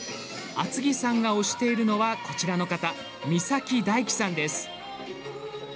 厚木さんが推しているのはこちらの方、三咲大樹さんです。